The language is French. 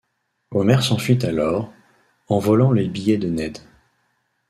Homer s'enfuit alors, en volant les billets de Ned.